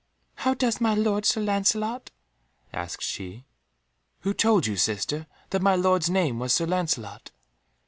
"How doth my lord Sir Lancelot?" asked she. "Who told you, sister, that my lord's name was Sir Lancelot?"